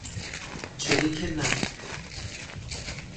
چلیک نفت